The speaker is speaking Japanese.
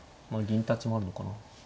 銀立ちもあるのかな。